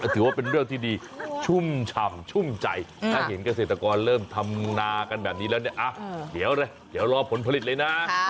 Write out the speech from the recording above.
ถือว่าเป็นเรื่องที่ดีชุ่มฉ่ำชุ่มใจถ้าเห็นเกษตรกรเริ่มทำนากันแบบนี้แล้วเนี่ยเดี๋ยวเลยเดี๋ยวรอผลผลิตเลยนะ